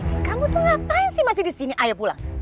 kamu tuh ngapain sih masih disini ayo pulang